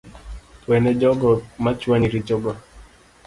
Wene jogo machuanyi richogi